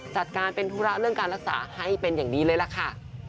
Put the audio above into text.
จัดการเป็นธุระเรื่องการรักษาให้เป็นอย่างดีเลยล่ะค่ะ